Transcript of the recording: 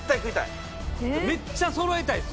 めっちゃそろえたいです